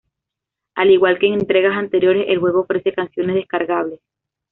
Al igual que en entregas anteriores, el juego ofrece canciones descargables.